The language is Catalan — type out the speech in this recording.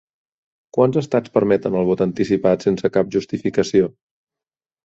Quants estats permeten el vot anticipat sense cap justificació?